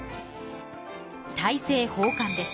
大政奉還です。